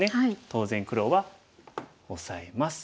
当然黒はオサえます。